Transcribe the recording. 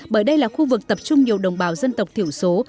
bởi đây là khu vực tập trung nhiều đồng bào dân tộc thiểu số